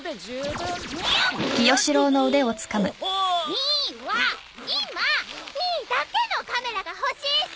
ミーは今ミーだけのカメラが欲しいさ！